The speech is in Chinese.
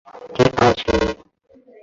白下区源于民国时期的第二区。